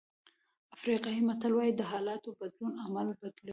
افریقایي متل وایي د حالاتو بدلون عمل بدلوي.